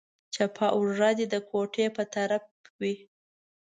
چپه اوږه دې د کوټې په طرف وي.